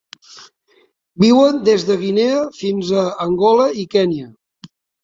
Viuen des de Guinea fins a Angola i Kenya.